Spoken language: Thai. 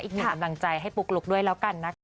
อีกหนึ่งกำลังใจให้ปุ๊กลุ๊กด้วยแล้วกันนะคะ